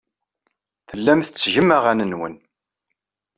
Tellam tettgem aɣan-nwen.